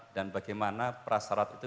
dan bagaimana persyarat itu